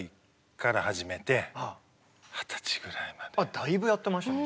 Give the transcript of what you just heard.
だいぶやってましたね。